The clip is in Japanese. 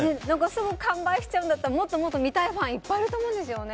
すぐ完売しちゃうんだったらもっともっと見たいファンいっぱいいると思うんですよね。